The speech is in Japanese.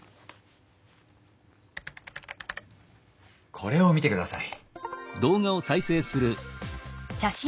これを見てください。